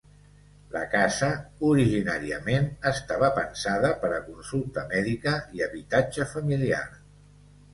La casa, originàriament, estava pensada per a consulta mèdica i habitatge familiar.